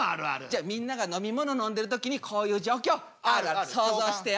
じゃあみんなが飲み物飲んでる時にこういう状況想像してよ。